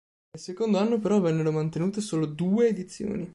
Nel secondo anno però vennero mantenute solo due edizioni.